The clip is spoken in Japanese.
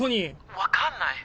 わかんない。